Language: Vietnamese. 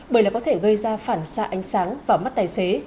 bởi là có thể gây ra phản xạ ánh sáng vào mắt tài xế